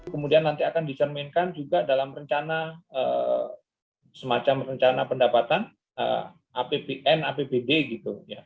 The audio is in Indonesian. kemudian nanti akan dicerminkan juga dalam rencana semacam rencana pendapatan apbn apbd gitu